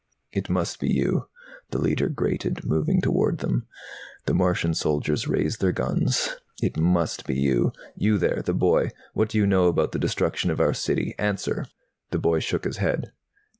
"It must be you," the Leiter grated, moving toward them. The Martian soldiers raised their guns. "It must be you. You there, the boy. What do you know about the destruction of our city? Answer!" The boy shook his head.